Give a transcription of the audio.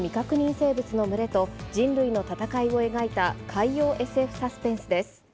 生物の群れと、人類の戦いを描いた、海洋ＳＦサスペンスです。